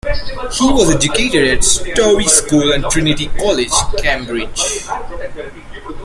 He was educated at Stowe School and Trinity College, Cambridge.